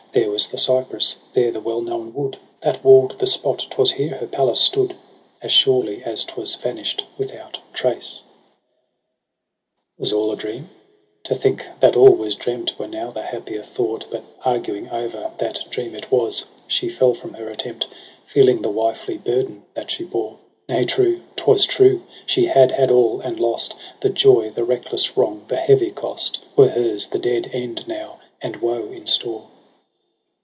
There was the cypress, there the well known wood. That wall'd the spot : 'twas here her palace stood. As surely as 'twas vanish'd without trace. 134 EROS ^ PSYCHE Was all a dream ? To think that all was dreamt Were now the happier thought 5 but arguing o'er That dream it was, she fell from her attempt. Feeling the wifely burden that she bore. Nay, true, 'twas true. She had had all and lost ; The joy, the recldess wrong, the heavy cost Were hers, the dead end now, and woe in store.